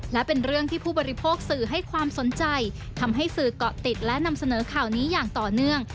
และเป็นเรื่องที่ผู้บริโภคสื่อให้ความสนใจทำให้สื่อเกาะติดและนำเสนอข่าวนี้อย่างต่อเนื่อง